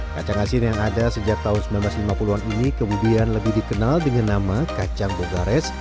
kacang asin yang ada sejak tahun seribu sembilan ratus lima puluh an ini kemudian lebih dikenal dengan nama kacang bogares